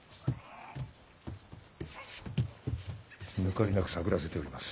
抜かりなく探らせております。